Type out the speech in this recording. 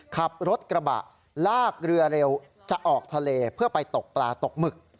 ขับรถกระบะลากเรือเร็วจะออกทะเลเพื่อไปตกปลาตกหมึก